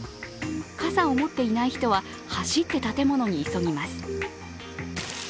傘を持っていない人は走って建物に急ぎます。